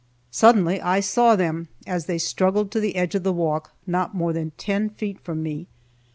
Suddenly I saw them, as they struggled to the edge of the walk, not more than ten feet from me.